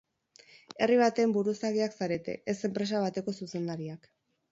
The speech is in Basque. Herri baten buruzagiak zarete, ez enpresa bateko zuzendariak.